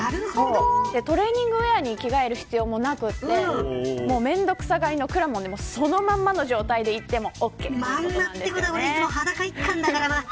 トレーニングウエアに着替える必要もなくて面倒くさがりのくらもんでもそのままの状態で行ってもオーケー。